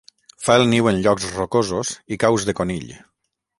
Fa el niu en llocs rocosos i caus de conill.